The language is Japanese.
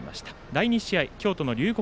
第２試合、京都の龍谷